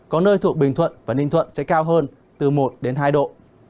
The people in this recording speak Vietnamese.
có nơi thuộc bình thuận và ninh thuận sẽ cao hơn từ một đến hai độ